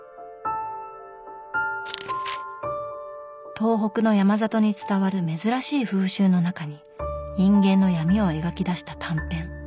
東北の山里に伝わる珍しい風習の中に人間の闇を描きだした短編。